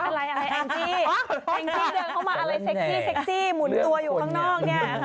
อะไรแองซี่เดินเข้ามาอะไรเซ็กซี่หมุนตัวอยู่ข้างนอกเนี่ย